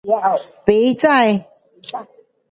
不知